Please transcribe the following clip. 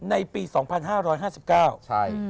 ในปี๒๕๕๙ใช่